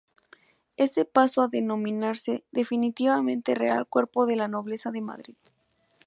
Este pasó a denominarse definitivamente Real Cuerpo de la Nobleza de Madrid.